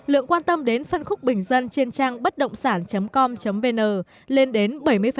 lượng quan tâm đến phân khúc bình dân trên trang bất động sản com vn lên đến bảy mươi